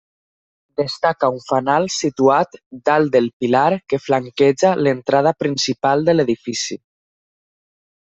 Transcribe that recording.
Destaca un fanal situat dalt del pilar que flanqueja l'entrada principal de l'edifici.